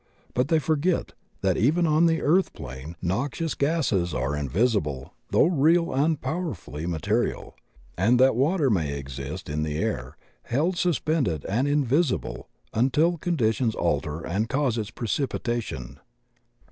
But they forget that even on the earth plane noxious gases are invisible though real and powerfully material, and that water may exist in the air held sus pended and invisible until conditions alter and cause its precipitation.